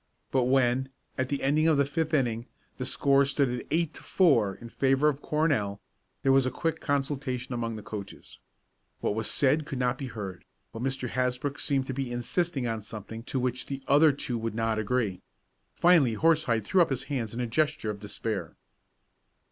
But when, at the ending of the fifth inning, the score stood eight to four in favor of Cornell there was a quick consultation among the coaches. What was said could not be heard, but Mr. Hasbrook seemed to be insisting on something to which the other two would not agree. Finally Horsehide threw up his hands in a gesture of despair.